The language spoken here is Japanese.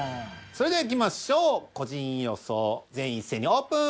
それではいきましょう個人予想全員一斉にオープン。